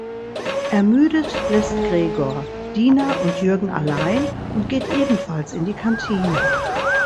Ermüdet lässt Gregor Dinah und Jürgen allein und geht ebenfalls in die Kantine.